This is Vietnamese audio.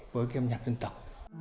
với cái âm nhạc dân tộc